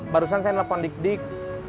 barusan saya nelfon dik dik